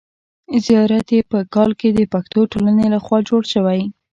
زیارت یې په کال کې د پښتو ټولنې له خوا جوړ شوی.